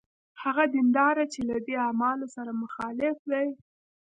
هغه دینداره چې له دې اعمالو سره مخالف دی.